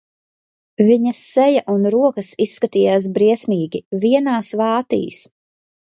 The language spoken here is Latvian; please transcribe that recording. Viņas seja un rokas izskatījās briesmīgi, vienās vātīs.